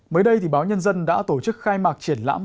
mới đây thì báo nhân dân đã tổ chức khai mạc triển lãm